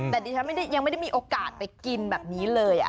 แต่ดิฉันไม่ได้ยังไม่มีโอกาสไปกินแบบนี้เลย